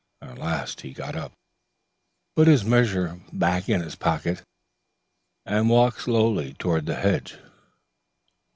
At last he got up, put his measure back in his pocket, and walked slowly towards the hedge.